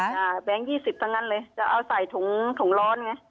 อ่าแบงค์๒๐ตั้งนั้นเลยจะเอาใส่ถุงร้อนไง